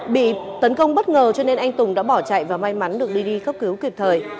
bị tấn công bất ngờ cho nên anh tùng đã bỏ chạy và may mắn được đưa đi cấp cứu kịp thời